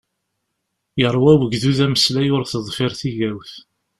Yeṛwa wegdud ameslay ur teḍfir tigawt.